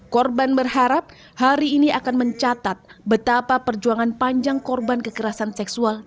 korban berharap hari ini akan mencatat betapa perjuangan panjang korban kekerasan seksual